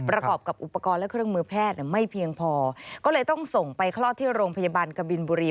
ประกอบกับอุปกรณ์และเครื่องมือแพทย์ไม่เพียงพอก็เลยต้องส่งไปคลอดที่โรงพยาบาลกบินบุรี